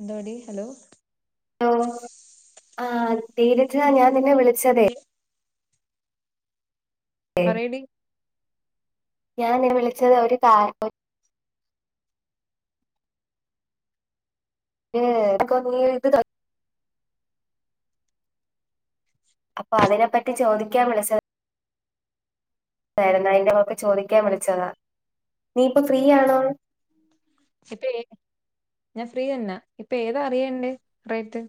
എന്തവാടി hello hello ആഹ് നിരജ ഞാൻ നിന്നെ വിളിച്ചതേ പറയടി ഞാൻ നിന്നെ വിളിച്ചതെ ഒരു കാര്യം [inaudible] അപ്പൊ അതിനെപ്പറ്റി ചോദിക്കാൻ വിളിച്ചത തായിരുന്നെ അതിന്റെ ചോദിക്കാൻ വിളിച്ചതാ നീ ഇപ്പൊ ഫ്രീ ആണോ ഇപ്പ ഞാൻ ഫ്രീ തന്നാ ഇപ്പ ഏതാ അറിയണ്ടെ റേറ്റ്?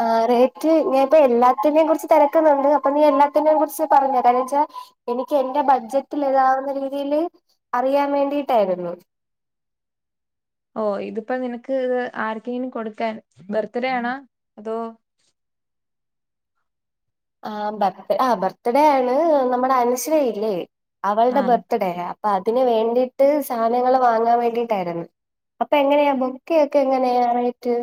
ആഹ് റേറ്റ് ഞാന് ഇപ്പൊ എല്ലാത്തിനേം കുറിച്ച് തിരക്കുന്നുണ്ട് അപ്പൊ നീ എല്ലാത്തിനേയും കുറിച്ച് പറഞ്ഞ് താ കാര്യന്ന് വെച്ചാ എനിക്ക് എന്റെ ബഡ്ജറ്റില് താവുന്ന രീതിൽ അറിയാൻ വേണ്ടിട്ടായിരുന്നു. ഓ ഇതിപ്പോ നിനക്ക് ഇത് ആർക്കെങ്കിലും കൊടുക്കാൻ ബെർത്ത്ഡേ ആണാ അതോ ആഹ് ബർ ബർത്ത്ഡേ ആണ് നമ്മുടെ അനശ്വരയില്ലേ അവളുടെ ആഹ് ബർത്ത്ഡേ യാ അപ്പൊ അതിന് വേണ്ടിട്ട് സാധനങ്ങള് വാങ്ങാൻ വേണ്ടിട്ടായിരുന്നു. അപ്പൊ എങ്ങനെയാ ബൊക്കെയൊക്കെ എങ്ങനെയാ റേറ്റ്?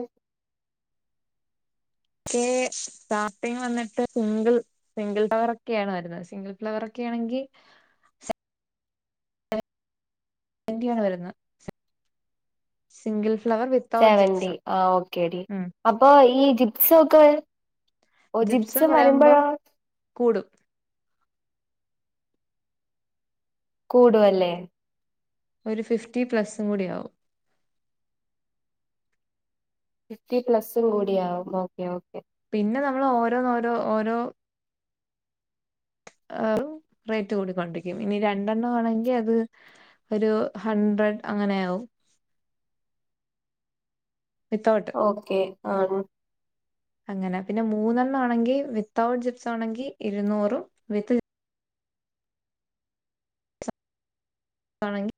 ബൊക്കെ സ്റ്റാർട്ടിങ് വന്നിട്ട് സിംഗിൾ സിംഗിൾ ഫ്ലവർ ഒക്കെയാണ് വരുന്നത് സിംഗിൾ ഫ്ലവർ ഒക്കെ ആണെങ്കിൽ [unintelligible] വരുന്ന സിംഗിൾ ഫ്ലവർ വിത്ത് സെവന്റി ആഹ് ഓക്കേടി അപ്പൊ ഈ ജിപ്സ് ഒക്കെ ഓഹ് ജിപ്സം വരുമ്പോഴാ കൂടും കൂടുവല്ലേ? ഒരു ഫിഫ്റ്റി പ്ലസ്സും കൂടി ആവും ഫിഫ്റ്റി പ്ലസ്സും കൂടിയാവും ഓക്കെ ഓക്കെ പിന്നെ നമ്മൾ ഓരോന്നോരോ ഓരോ- റേറ്റ് കൂടിക്കൊണ്ടിരിക്കും ഇനി രണ്ടെണ്ണആണെങ്കി അത് ഒരു ഹഡ്രഡ് അങ്ങനെയാവും വിത്തൗട്ട് ഓക്കെ [unintelligible] അങ്ങനെ പിന്നെ മൂന്നെണ്ണാണെങ്കി വിത്തൗട്ട് ജിപ്സാണെങ്കി ഇരുന്നൂറും വിത്ത് ജി താണെങ്കി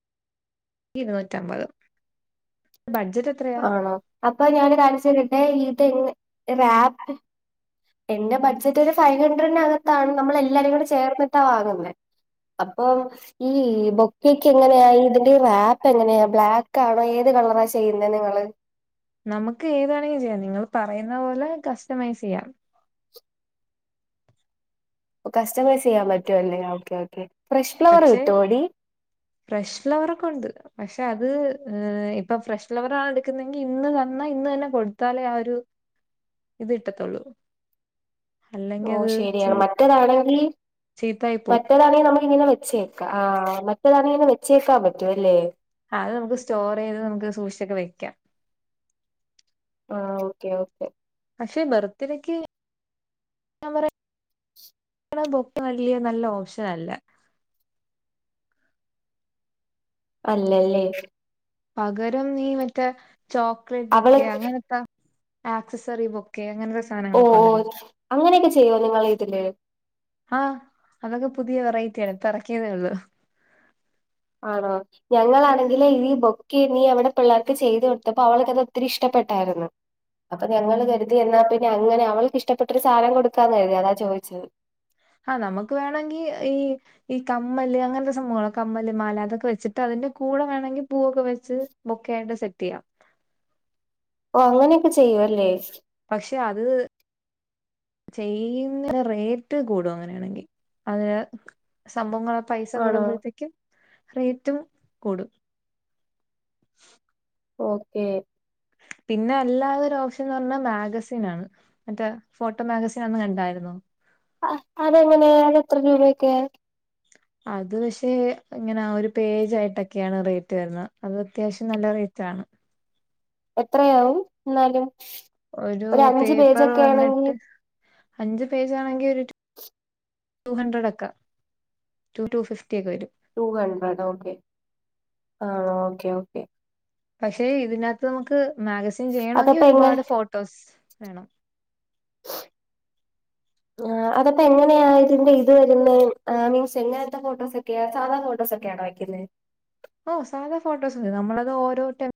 ഇരുന്നൂറ്റമ്പത് ബഡ്ജറ്റ് എത്രയാ ആണോ അപ്പൊ ഞാന് ഒരു കാര്യം ചോയികടെ ഇതെങ്ങ ആപ്പ് എന്റെ ബഡ്ജറ്റ് ഒരു ഫൈവ്ഹൺഡ്രഡിനകത്താണ് നമ്മളെല്ലാരും കൂടെ ചേർന്നിട്ടാ വാങ്ങുന്നെ അപ്പൊ ഈ ബൊക്കെയൊക്കെങ്ങനെയാ ഇതിന്റെ റാപ്പെങ്ങനെയാ ബ്ലാക്കാണോ ഏത് കളറാ ചെയ്- പിന്നെ നിങ്ങള് നമുക്ക് ഏതാണെങ്കിലും ചെയ്യാം നിങ്ങള് പറയുന്നപോലെ കസ്റ്റമൈസ്ചെയ്യാം കസ്റ്റമൈസെയ്യാൻ പറ്റുവല്ലേ ഓക്കേ ഓക്കേ ഫ്രഷ് ഫ്ലവറ് പക്ഷെ കിട്ടോടി ഫ്രഷ് ഫ്ലവറൊക്ക്‌ണ്ട് പക്ഷെ അത് ഇപ്പൊ ഫ്രഷ് ഫ്ലവറാണെടുക്കുന്നതെങ്കി ഇന്ന് തന്നെ ഇന്ന് തന്നെ കൊടുത്താലേ ആ ഒരു ഇത് കിട്ടത്തൊള്ളൂ ഓ ശരിയാണ് മറ്റെതാണെങ്കിൽ ചീത്തായി പോവും മറ്റെതാണെ നമ്മക്കിങ്ങനെ വെച്ചെരും ആഹ് മറ്റേതാണെങ്കി വെച്ചേക്കാൻ പറ്റുവല്ലേ ആ അത് നമുക്ക് സ്റ്റോറെയ്ത് നമുക്ക് സൂക്ഷിച്ചൊക്കെ വെക്കാം ആഹ് ഓക്കേ ഓക്കേ പക്ഷെ ബർത്ത്ഡേക്ക് ഞാൻ പറയാ ശ്ശ് കളറ് ബൊക്ക വല്യ നല്ല ഓപ്ഷനല്ല അല്ലല്ലേ പകരം നീ മറ്റേ ചോക്ലേറ്റ് അവള് ബൊക്കെയൊ അങ്ങനത്ത ആക്സസറി ബൊക്കെ അങ്ങനൊരു ഓഹ് അങ്ങനൊക്കെ ചെയ്യോ നിങ്ങളിതില്. ആഹ് അതൊക്കെ പുതിയ വെറൈറ്റിയാണ് ഇപ്പെറക്കിയതേയുള്ളു ആണോ ഞങ്ങളാണെങ്കിലേ ഇതീ ബൊക്കെ നീ അവിടെ പിള്ളേർക്ക് ചെയ്ത് കൊടുത്തപ്പോ അവൾക്കത് ഒത്തിരി ഇഷ്ടപ്പെട്ടായിര്ന്ന്. അപ്പൊ ഞങ്ങള് കരുതി എന്നാപിന്നെ അങ്ങനെ അവൾക്കിഷ്ടപ്പെട്ടൊരു സാധനം കൊടുക്കാന്ന് കരുതി അതാ ചോദിച്ചത് ഹാ നമുക്ക് വേണെങ്കി ഈ ഈ കമ്മല് അങ്ങനത്തെ സംഭവങ്ങള് കമ്മല് മാല അതൊക്കെ വെച്ചിട്ട് അതിന്റെ കൂടെ വേണെങ്കി പൂവൊക്കെ വെച്ച് ബൊക്കെയായിട്ട് സെറ്റെയ്യാം ഓ അങ്ങനെയൊക്കെ ചെയ്യുവല്ലേ പക്ഷെ അത് ചെയ്യുന്ന റേറ്റ് കൂടും അങ്ങനെയാണെങ്കി അത് സംഭവങ്ങള് പൈസ ആണോ കൂടുമ്പഴത്തേക്കും റേറ്റും കൂടും. ഓക്കേ പിന്നെ അല്ലാതൊരോപ്ഷൻന്ന് പറഞ്ഞാ മാഗസിനാണ് മറ്റേ ഫോട്ടോ മാഗസിൻ അന്ന് കണ്ടായിരുന്നോ ആഹ് അതെങ്ങനെ അതെത്ര രൂപയൊക്കെ അത് പക്ഷെ ഇങ്ങനെ ഒരു പേജായിട്ടൊക്കെയാണ് റേറ്റ് വരുന്നത് അത് അത്യാവശ്യം നല്ല റേറ്റാണ് എത്രയാവും എന്നാലും ഒരു അഞ്ച് പേപ്പർ പേജൊക്കെ ആണെങ്കിൽ വന്നിട്ട് അഞ്ച് പേജാണെങ്കി ഒരു ടു ഹൺഡ്രഡൊക്കെ ടു ടു ഫിഫ്റ്റിയൊക്കെ വരും ടു ഹൺഡ്രഡ് ഓക്കേ ആ ഓക്കേ ഓക്കേ പക്ഷെ ഇതിനകത്ത് നമുക്ക് മാഗസീൻ ചെയ്യണെങ്കി അതപ്പ എങ്ങനെ ഒരുപാട് ഫോട്ടോസ് വേണം [inaudible] ആഹ് അതപ്പൊ എങ്ങനെയാ ഇതിന്റെ ഇത് വരുന്നെ മീൻസ് എങ്ങനത്തെ ഫോട്ടോസ് ഒക്കെയാ സാധാ ഫോട്ടോസോ ക്കെയാണോ വെയ്ക്കുന്നേ ഓ സാധാ ഫോട്ടോസ് നമ്മളത് ഓരോ ടെ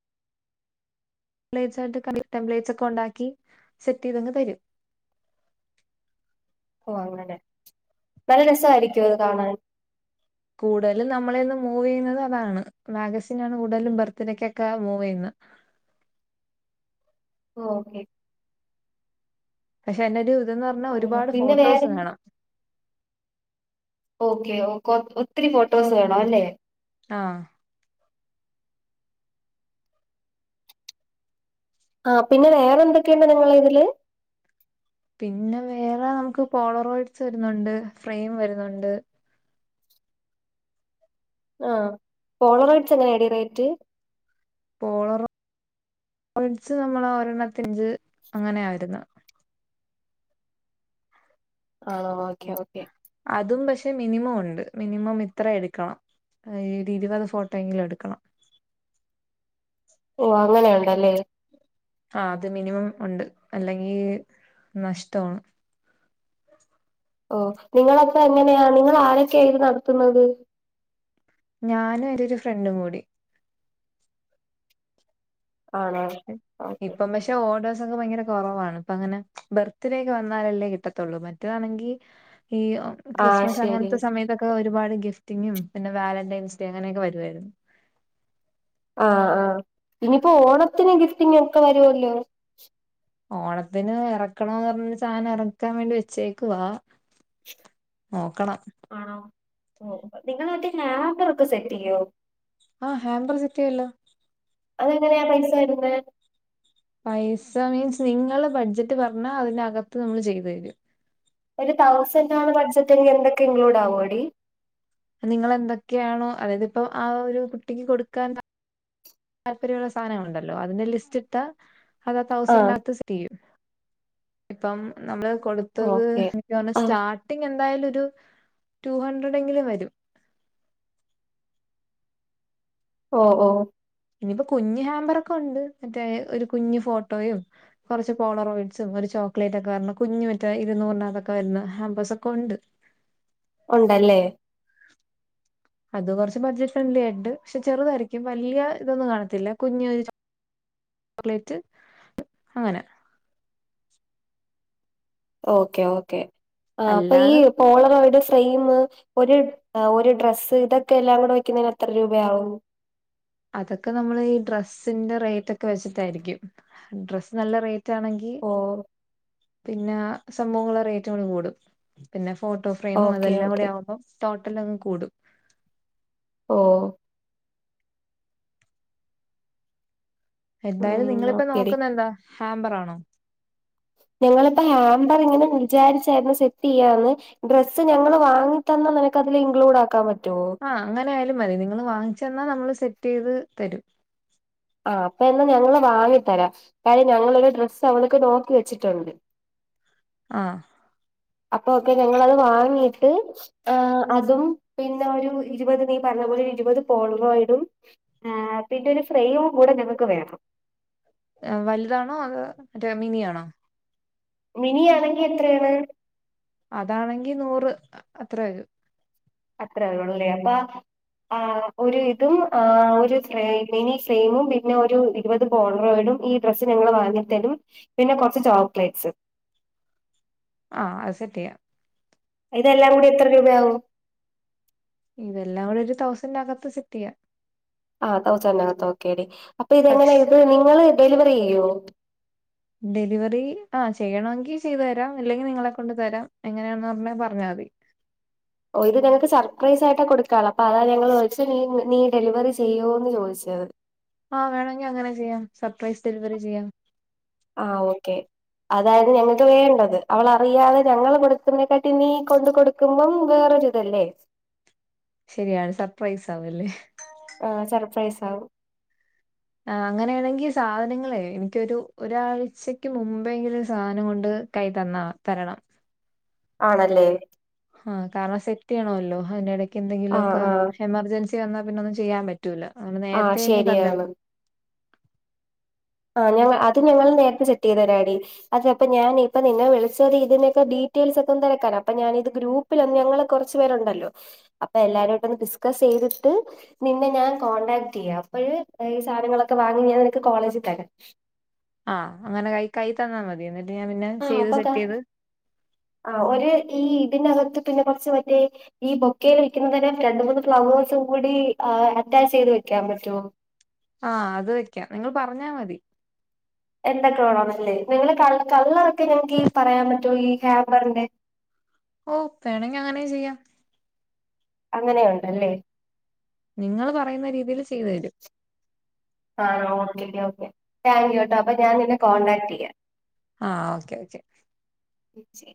ലേ ചാട്ട് കം ടെപ്ലേറ്റ്സ് ഒക്കെ ഉണ്ടാക്കി സെറ്റ് ചെയ്തങ്ങ് തരും ഓ അങ്ങനെ നല്ല രസായിരിക്കുവോ അത് കാണാൻ കൂടുതലും നമ്മളയിന്ന് മൂവ് ചെയ്യുന്നത് അതാണ് മാഗസിൻനാണ് കൂടുതലും ബർത്തിഡേക്കൊക്കെ മൂവ് ചെയ്യുന്ന ഓ ഓക്കെ പക്ഷെ അതിനൊരു ഇതന്ന് പറഞ്ഞാ ഒരുപാട് പിന്നെ ഫോട്ടോസ് വേറെ വേണം ഓക്കെ ഓകോ ഒത്തിരി ഫോട്ടോസ് വേണം അല്ലേ ആഹ് ആ പിന്നെ വേറെ എന്തൊക്കെയുണ്ട് നിങ്ങടെ ഇതില് പിന്നെ വേറെ നമുക്ക് പോളറോയിഡ്സ് വരുന്നുണ്ട് ഫ്രെയിം വരുന്നുണ്ട് ആ പോളോറോറ്റ്സ് എങ്ങനെയാടി റേറ്റ് പോളോറൊ [unintelligible] റ്റ്സ് നമ്മള ഒരെണ്ണത്തിഞ്ച് അങ്ങനെയാ വരുന്നത് ആണോ ഓക്കെ ഓക്കെ അതും പക്ഷെ മിനിമം ഉണ്ട് മിനിമം ഇത്ര എടുക്കണം ഒരു ഇരുപത് ഫോട്ടോയെങ്കിലും എടുക്കണം ഓ അങ്ങനെ ഉണ്ടല്ലേ ആ അത് മിനിമം ഉണ്ട് അല്ലെങ്കി നഷ്ടവാണ് ഓ നിങ്ങളപ്പൊ എങ്ങനെയാ നിങ്ങൾ ആരാക്കെയാ ഇത് നടത്തുന്നത് ഞാനും ഒരു ഒരു ഫ്രണ്ടും കൂടി ആണോ ഓക്കെ ഇപ്പം പക്ഷെ ഓർഡേഴ്സ ഒക്കെ ഭയങ്കര കുറവാണ് ഇപ്പൊ അങ്ങനെ ബർത്ത്ഡേ ഒക്കെ വന്നാലല്ലേ കിട്ടത്തൊള്ളൂ മറ്റതാണെങ്കി ഈ ഓ ആഹ് ക്രിസ്മസ് ശരി അങ്ങനത്തെ സമയത്തൊക്കെ ഒരുപാട് ഗിഫ്റ്റിങ്ങും പിന്നെ വാലന്റൈൻസ്ഡേ അങ്ങനെയൊക്കെ വരുവായിരുന്നു ആഹ് ആ പിന്നിപ്പോ ഓണത്തിന് ഗിഫ്റ്റിങ്ങ് ഒക്കെ വരുവല്ലോ ഓണത്തിന് ഇറക്കണമെന്നു പറഞ്ഞ സാധനം ഇറക്കാൻ വേണ്ടി വെച്ചേക്കുവാ നോക്കണം ആണോ ഓ നിങ്ങള് മറ്റേ ഹാമ്പറോക്കെ സെറ്റ് ചെയ്യോ ആഹ് ഹാമ്പർ സെറ്റ് ചെയ്യുവല്ലേ അതെങ്ങനെയാ പൈസ വരുന്നേ പൈസ മീൻസ് നിങ്ങള് ബഡ്ജറ്റ് പറഞ്ഞാ അതിനകത്ത് നമ്മൾ ചെയ്ത് തരും ഒരു തൗസൻഡ് ആണ് ബഡ്ജറ്റ് എങ്കി എന്തൊക്കെ ഇൻക്ലൂഡ് ആകും എടി അത്‌ നിങ്ങള് എന്തൊക്കെയാണോ അതായത് ഇപ്പൊ ആ ഒരു കുട്ടിക്ക് കൊടുക്കാൻ ത താല്‍പര്യം ഉള്ള സാധനങ്ങൾ ഉണ്ടല്ലോ അതിന്റെ ലിസ്റ്റിട്ടാ അത് ആഹ് തൗസൻഡിനകത്ത് സെറ്റ് റ്റ് ചെയ്യും ഇപ്പം നമ്മള് കൊടുത്തത് ഓക്കെ എനിക്ക് തോന്ന് ആഹ് സ്റ്റാർ പുട്ടിങ് എന്തായാലും ഒരു ടു ഹഡ്രഡ് എങ്കിലും വരും ഓ ഓ ഇനിയിപ്പോ കുഞ്ഞ് ഹാമ്പറൊക്കെ ഉണ്ട് മറ്റേ ഒരു കുഞ്ഞ് ഫോട്ടോയും കുറച്ച് പോളോറോയിഡ്സും ഒരു ചോക്ലേറ്റ് ഒക്കെ വരണ കുഞ്ഞ് മറ്റേ ഇരുന്നൂറിനകത്തൊക്കെ വരുന്ന ഹാമ്പസ് ഒക്കെ ഉണ്ട് ഉണ്ടല്ലേ അത് കുറച്ച് ബഡ്ജറ്റ് ഫ്രണ്ട്ലി ആയിണ്ട് പക്ഷെ ചെറുതായിരിക്കും വലിയ ഇതൊന്നും കാണത്തില്ല കുഞ്ഞ് ഒരു ചോ ചോക്ലേറ്റ് അങ്ങനെ ഓക്കെ ഓക്കേ ആ അപ്പൊ ഈ അല്ലാതെ പോളറോ അവരുടെ ഫ്രെയിമ് ഒരു ഒരു ഡ്രസ്സ് ഇതൊക്കെ എല്ലാം കൂടെ വെക്കുന്നതിന് എത്ര രൂപയാവും അതൊക്കെ നമ്മള് ഈ ഡ്രസ്സിന്റെ റേറ്റ് ഒക്കെ വെച്ചിട്ടായിരിക്കും ഡ്രസ്സ് നല്ല റേറ്റ് ആണെങ്കി ങ്കി ഓ പിന്നെ സംഭവങ്ങളെ റേറ്റ് അങ്ങ് കൂടും പിന്നെ ഫോട്ടോ ഫ്രെയിമും ഓക്കെ അതെല്ലാം കൂടി ഓക്കെ ആകുമ്പോം ടോട്ടൽ അങ് കൂടും ഓഹ് എന്തായാലും ഉം നിങ്ങളിപ്പ ഓക്കെടി നോക്കുന്നന്താ ഹാമ്പറാണോ. ഞങ്ങളിപ്പോ ഹാമ്പർ ഇങ്ങനെ വിചാരിച്ചായിരുന്നു സെറ്റ്യ്യാന്ന്. ഡ്രസ്സ് ഞങ്ങള് വാങ്ങി തന്നാ നിനക്ക് അതില് ഇൻക്ലൂഡ് ആക്കാൻ പറ്റോ ആഹ അങ്ങനെ ആയാലും മതി നിങ്ങള് വാങ്ങിച്ചന്ന നമ്മൾ സെറ്റ്യ്ത് തരും. ആഹ് അപ്പ എന്നാ ഞങ്ങള് വാങ്ങി തരാം. കാര്യം ഞങ്ങളൊരു ഡ്രസ്സ് അവൾക്ക് നോക്കി വെച്ചിട്ടുണ്ട്. ആഹ് അപ്പൊ ഒക്കെ. ഞങ്ങളത് വാങ്ങിയിട്ട്.. ആഹ് അതും പിന്നെ ഒരു ഇരുപത് നീ പറഞ്ഞ പോലെ ഇരുപത് പോളവോയിടും. ആഹ് പിന്നെ ഒരു ഫ്രെവും കൂടെ ഞങ്ങക്ക് വേണം. വലുതാണോ അത് രമിനിയാണോ? മിനിാണെങ്കി എത്രയാണ്? അതാണെങ്കി നൂറ്. അത്ര വരും. അത്ര ഉള്ളേ ല്ലാ പ്പാ ആഹ് ഒരു ഇതും. ആ ഒരു മിനി സലെയിമും പിന്നെ ഒരു ഇരുപത് ബോളറോയിടും ഈ ഡ്രസ്സ് ഞങ്ങള് വാങ്ങിത്തരും പിന്നെ കുറച്ച് ചോക്ലേറ്റ്സും ആഹ് അത് സെറ്റ് ചെയ്യാം. ഇതെല്ലാ കൂടി എത്ര രൂപയാവും? ഇതെല്ലാം കുടെ ഒരു തൗസൻഡറ് അകത്ത് സെറ്റയ്യാം. ആഹ് തൗസന്റകത്ത് ഓക്കെടി അപ്പൊ ഇതെങ്ങനാ പക്ഷെ ഇത് നിങ്ങള് ഡെലിവറിയ്യോ? ഡെലിവറി ആ ചെയ്യണമെങ്കി ചെയ്തു തരാം ഇല്ലെങ്കിൽ നിങ്ങളെ കൊണ്ട് തരാം എങ്ങനെയാണെന്ന് പറഞ്ഞാ മതി. ഓ ഇത് ങ്ങൾക്ക് സർപ്രൈസയിട്ട കൊടുകള്ള അപ്പൊ അതാ ഞങ്ങൾ വിളിച്ച നീ ഡെലിവറി ചെയ്യുന്ന് ചോയിച്ചത്. ആഹ് വേണമെങ്കി അങ്ങനെ ചെയ്യാം സർപ്രൈസ് ഡെലിവറി ചെയ്യാം. ആഹ് ഓക്കെ. അതായിരുന്നു ഞങ്ങക്ക് വേണ്ടത് അവളറിയാതെ ഞങ്ങള് കൊടുക്കുന്ന തിനെക്കാട്ടി നീ കൊണ്ട് കൊടുക്ക.. ക്കുമ്പം വേറൊരിതല്ലേ. ശരിയാണ്. സർപ്രൈസ് ആവല്ലേ. ആഹ് സർപ്രൈസാവും. ആഹ് അങ്ങനെയാണെങ്കി സാധനങ്ങളെ എനിക്കൊരു ഒരാഴ്ചക്ക് മുമ്പെങ്കും സാധനം കൊണ്ട്.. കൈ തന്നാ തരണം. ആണല്ലേ. ആഹ കാരണം സെറ്റയ്യണല്ലോ അതിനിടക്ക് ആ എന്തെങ്കിലുംക്കെ ആ എമർജൻസി വന്നാപിന്ന ഒന്നും ചെയ്യാൻ പ... റ്റൂല. ആ നേരത്തെങ്ങ് തന്ന... ശരിയാണ് ആഹ് ഞങ്ങ അത് ഞങ്ങള് നേരത്തെ സെറ്റയ്തരാടി. അതെ അപ്പ ഞാനിപ്പ നിന്നെ വിളിച്ചത് ഇതിനൊക്കെ ഡീറ്റെയിൽസ് ഒക്കെ ഒന്ന് തിരക്കാനാ അപ്പൊ ഞാനിത് ഗ്രൂപ്പ്.. പ്പ ഞങ്ങള് കൊറച്ചു പേരുണ്ടല്ലോ അപ്പ എല്ലാരുട്ടൊന്ന് ഡിസ്കസ് ചെയ്തിട്ട്... നിന്നെ ഞാൻ കോൺടാക്ടയ്യാം അപ്പോയ് ഈ സാനങ്ങളൊക്കെ വാങ്ങി ഞാൻ നിനക്ക് കോളേജി തരാം. ആഹ് അങ്ങനെ കൈ കൈ തന്ന മതി എന്നിട്ട് ഞാൻ പിന്നെ ആഹ് ചെയ്ത് അപ്പൊ ക സെറ്റ് ചെയ്ത്.. ആഹ് ഒരു ഈ ഇതിനകത്ത് പിന്നെ കുറച്ച് മറ്റേ.. ഈ ബൊക്കയിൽ വെക്കുന്നതിനെ രണ്ട മൂന്ന് ഫ്ളവേഴ്സും കൂടി ആ അറ്റാച്ച് ചെയ്ത് വെക്കാൻ പറ്റോ? ആഹ് അത് വെക്കാ. നിങ്ങൾ പറഞ്ഞാ മതി. എന്തൊക്കെ വേണന്നല്ലേ നിങ്ങള് കള്ളറൊക്കെ ഞങ്ങക്ക് ഈ പറയാൻ പറ്റോ ഈ ഹാമ്പറിന്റെ ഓ വേണെങ്കി അങ്ങനെയെ ചെയ്യാം. അങ്ങനെയുണ്ടല്ലേ. നിങ്ങൾ പറയുന്ന രീതില് ചെയ്തരും. ആഹ് ഓക്കെ ഓക്കെ താങ്ക് യു ട്ടോ അപ്പൊ ഞാൻ നിന്നെ കോൺടാക്ട് ചെയ്യാം. ആഹ് ഓക്കെ ഓക്കെ. പിച്ചേ